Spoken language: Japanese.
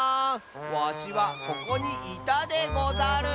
わしはここにいたでござる。